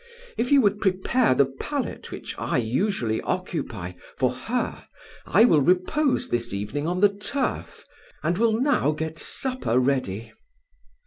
If you would prepare the pallet which I usually occupy for her, I will repose this evening on the turf, and will now get supper ready.